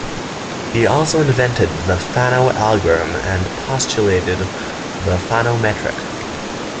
He also invented the Fano algorithm and postulated the Fano metric.